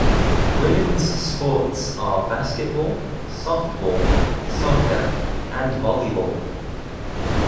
Women's sports are basketball, softball, soccer, and volleyball.